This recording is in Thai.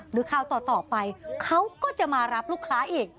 คราวต่อไปเขาก็จะมารับลูกค้าอีก